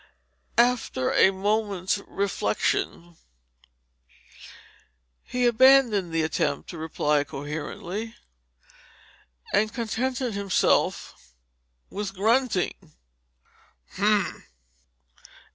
After a moment's reflection he abandoned the attempt to reply coherently, and contented himself with grunting.